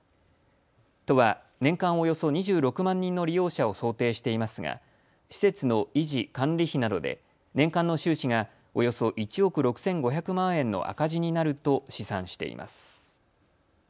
都は年間およそ２６万人の利用者を想定していますが施設の維持・管理費などで年間の収支がおよそ１億６５００万円の赤字になると試算しています。